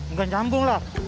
nggak nyambung lah